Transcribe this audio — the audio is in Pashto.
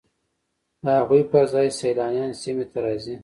د هغوی پر ځای سیلانیان سیمې ته راځي